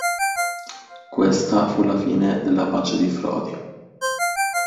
Questa fu la fine della pace di Fróði.